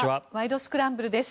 スクランブル」です。